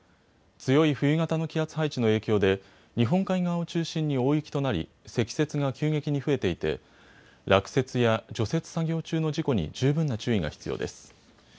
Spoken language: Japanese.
強い冬型の気圧配置の影響で日本海側を中心に大雪となり積雪が急激に増えていて、落雪や除雪作業中の事故に十分な注意が必要です。